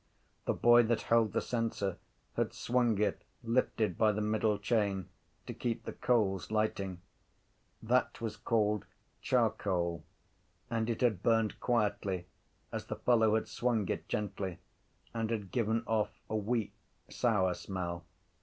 The boy that held the censer had swung it gently to and fro near the door with the silvery cap lifted by the middle chain to keep the coals lighting. That was called charcoal: and it had burned quietly as the fellow had swung it gently and had given off a weak sour smell.